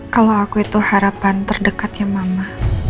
kalau aku itu harapan terdekatnya mama